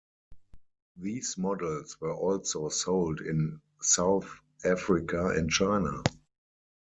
These models were also sold in South Africa and China.